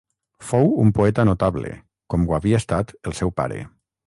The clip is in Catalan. Fou un poeta notable com ho havia estat el seu pare.